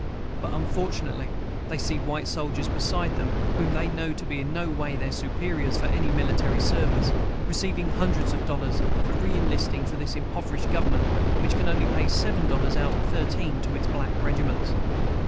But, unfortunately, they see white soldiers beside them, whom they know to be in no way their superiors for any military service, receiving hundreds of dollars for re enlisting for this impoverished Government, which can only pay seven dollars out of thirteen to its black regiments.